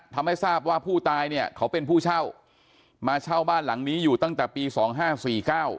ทำให้ทราบว่าผู้ตายเนี่ยเขาเป็นผู้เช่ามาเช่าบ้านหลังนี้อยู่ตั้งแต่ปีสองห้าสี่เก้า